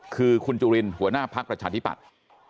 คือคุณจุลินหัวหน้าภักดิ์ประชาธิปัตย์